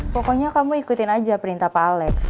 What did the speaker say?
pokoknya kamu ikutin aja perintah pak alex